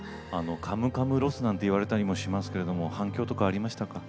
「カムカム」ロスなんて言われたりもしますけれども反響とかありましたか？